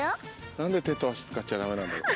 何で手と足使っちゃダメなんだろう。